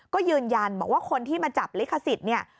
ก็ยืนยันบอกว่าคนที่มาจับลิขสิทธิ์เนี่ย